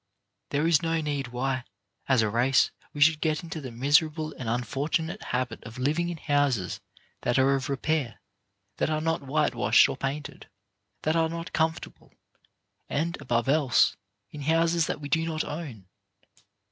There is no need why, as a race, we should get into the miserable and unfortunate habit of living in houses that are out of repair, that are not whitewashed or painted, that are not comfortable, and above all else, in houses that we do not own.